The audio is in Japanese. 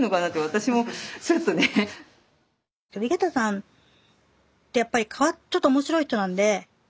井桁さんってやっぱりちょっと面白い人なんで。